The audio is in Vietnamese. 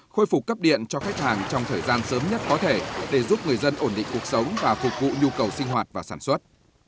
khôi phục cấp điện cho khách hàng trong thời gian sớm nhất có thể để giúp người dân ổn định cuộc sống và phục vụ nhu cầu sinh hoạt và sản xuất